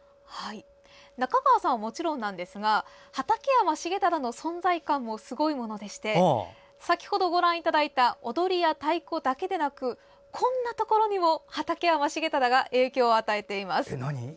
中川さんはもちろんなんですが畠山重忠の存在感もすごいものでして先ほどご覧いただいた踊りや太鼓だけでなくこんなところにも畠山重忠が影響を与えています。